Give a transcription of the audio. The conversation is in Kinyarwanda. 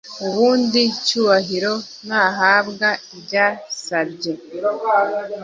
ubundi cyubahiro nahabwa ibyasabye